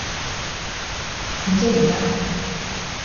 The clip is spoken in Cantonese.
點啫依家？